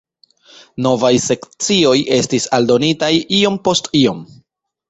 Novaj sekcioj estis aldonitaj iom post iom.